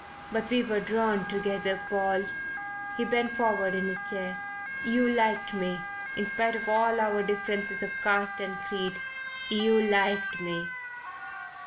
But we were drawn together, Paul." He bent forward in his chair. "You liked me. In spite of all our differences of caste and creed you liked me."